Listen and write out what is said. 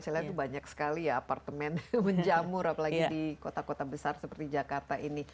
saya lihat banyak sekali ya apartemen menjamur apalagi di kota kota besar seperti jakarta ini